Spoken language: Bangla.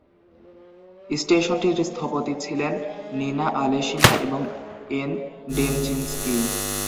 স্টেশনটির স্থপতি ছিলেন নিনা আলেশিনা এবং এন. ডেমচিনস্কি।